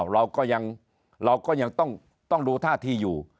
เราก็ยังต้องดูท่าที่อยู่